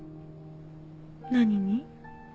何に？